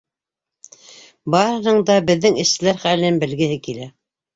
Барыһының да беҙҙең эшселәр хәлен белгеһе килә.